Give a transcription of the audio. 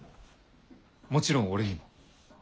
もちろん俺にも。